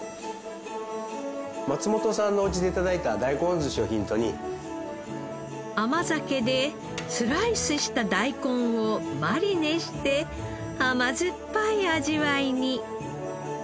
松本さんのおうちで頂いた甘酒でスライスした大根をマリネして甘酸っぱい味わいに。